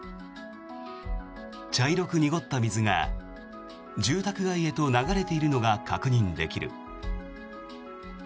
茶色く濁った水が住宅街へと流れているのが確認できる。